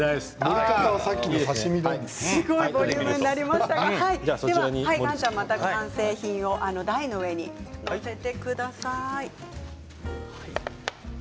すごいボリュームになりましたが岩ちゃん、また完成品を台の上に載せてください。